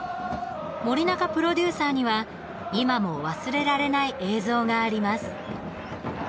森中プロデューサーには今も忘れられない映像があります。